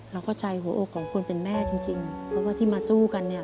เราเข้าใจหัวอกของคนเป็นแม่จริงเพราะว่าที่มาสู้กันเนี่ย